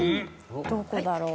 どこだろう？